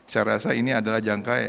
saya rasa ini adalah